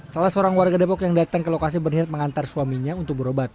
salah seorang warga depok yang datang ke lokasi berniat mengantar suaminya untuk berobat